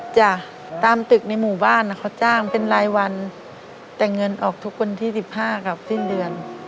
จ้ะตามตึกในหมู่บ้านเขาจ้างเป็นรายวันแต่เงินออกทุกวันที่๑๕กับสิ้นเดือน